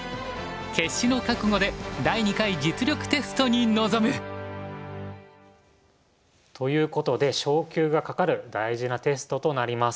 決死の覚悟で第２回実力テストに臨む！ということで昇級がかかる大事なテストとなります。